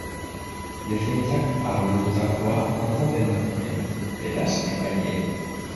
Defentsak argudiatutakoa ontzat eman dute, beraz, epaileek.